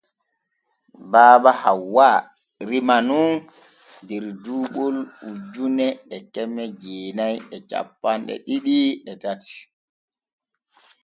Baba Hawwa rimaa nun der duuɓol ujune e keme jeenay e cappanɗe ɗiɗi e tati.